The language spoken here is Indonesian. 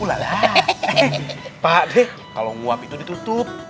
ula lah pak d kalau nguap itu ditutup